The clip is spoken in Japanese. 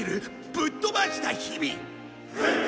ぶっ飛ばした日々！